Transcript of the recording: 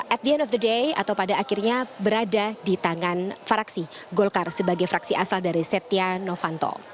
at the end of the day atau pada akhirnya berada di tangan fraksi golkar sebagai fraksi asal dari setia novanto